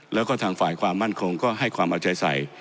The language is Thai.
แล้วก็ทางฝ่ายความมั่นคงก็ให้ความเอาใจใส่